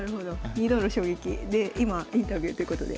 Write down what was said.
２度の衝撃で今インタビューということで。